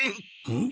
ん？